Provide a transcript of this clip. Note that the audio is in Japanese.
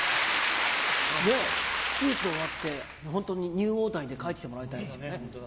手術終わって本当にニュー大谷で帰ってきてもらいたいですね。